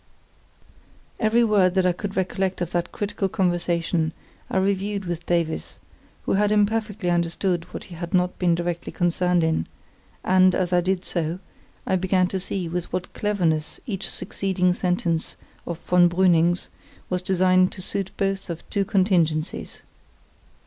Every word that I could recollect of that critical conversation I reviewed with Davies, who had imperfectly understood what he had not been directly concerned in; and, as I did so, I began to see with what cleverness each succeeding sentence of von Brüning's was designed to suit both of two contingencies.